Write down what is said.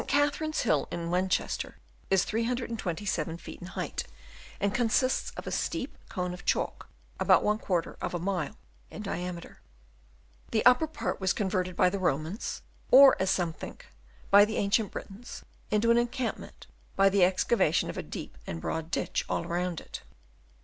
Catherine's Hill, near Winchester, is 327 feet in height, and consists of a steep cone of chalk about i of a mile in diameter. The upper part was converted by the Romans, or, as some think, by the ancient Britons, into an encampment, by the excavation of a deep and broad ditch all round it.